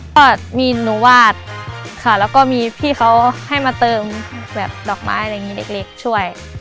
ก็มีหนูวาดค่ะแล้วก็มีพี่เขาให้มาเติมดอกไม้เด็กช่วย